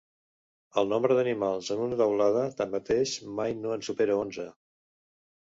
El nombre d'animals en una teulada, tanmateix, mai no en supera onze.